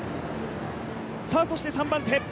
そして３番手。